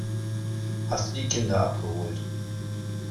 Hast du die Kinder abgeholt.